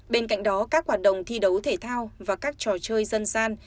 bên cạnh đó các hoạt động thi đấu thể thao và các trò chơi dân gian